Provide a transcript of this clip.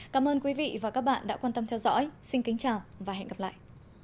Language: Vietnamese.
cảm ơn quý vị và các bạn đã quan tâm theo dõi xin kính chào và hẹn gặp lại